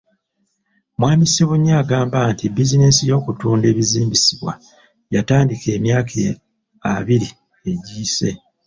Mwami Ssebunya agamba nti bizinensi y’okutunda ebizimbisibwa yagitandika emyaka abiri egiyise.